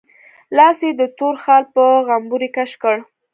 لاس يې د تور خال په غومبري کش کړ.